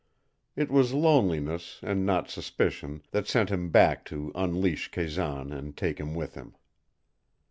It was loneliness, and not suspicion, that sent him back to unleash Kazan and take him with him.